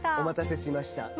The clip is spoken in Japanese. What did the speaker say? お待たせしました。